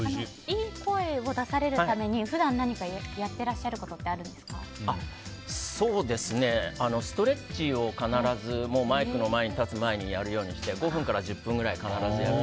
いい声を出されるために普段、何かやっていらっしゃることってストレッチを必ずマイクの前に立つ前にやるようにしていて５分から１０分、必ず。